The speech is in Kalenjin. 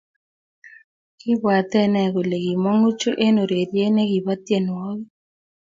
Kibwaat enen kole kimongu chu eng ureriet ne kibo tienwokik